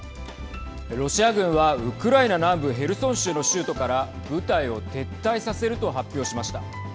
ロシア軍はウクライナ南部ヘルソン州の州都から部隊を撤退させると発表しました。